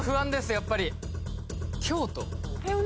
やっぱり京都？